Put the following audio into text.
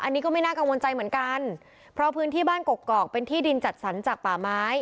อันนี้ก็ไม่น่ากังวลใจเหมือนกันเพราะพื้นที่บ้านกกอกเป็นที่ดินจัดสรรจากป่าไม้